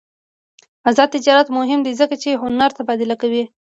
آزاد تجارت مهم دی ځکه چې هنر تبادله کوي.